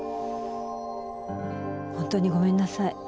ほんとにごめんなさい。